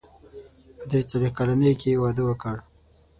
په درې څلوېښت کلنۍ کې يې واده وکړ.